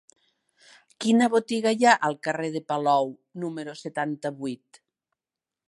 Quina botiga hi ha al carrer de Palou número setanta-vuit?